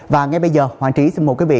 và ngay bây giờ hoàng trí xin mời quý vị